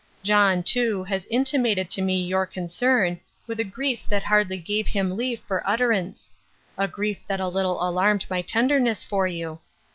John, too, has intimated to me your concern, with a grief that hardly gave him leave for utterance; a grief that a little alarmed my tenderness for you.